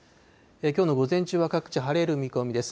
きょうの午前中は各地晴れる見込みです。